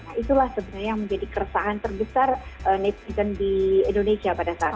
nah itulah sebenarnya yang menjadi keresahan terbesar netizen di indonesia pada saat itu